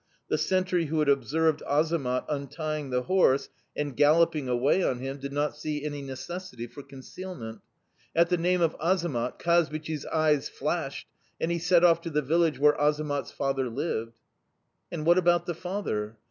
The sentry who had observed Azamat untying the horse and galloping away on him did not see any necessity for concealment. At the name of Azamat, Kazbich's eyes flashed, and he set off to the village where Azamat's father lived." "And what about the father?"